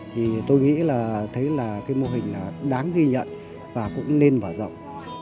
thì tôi nghĩ là thấy là cái mô hình là đáng ghi nhận và cũng nên mở rộng